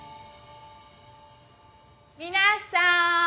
皆さん！